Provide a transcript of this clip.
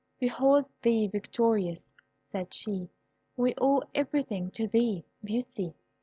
"Behold thee victorious," said she. "We owe everything to thee, Beauty.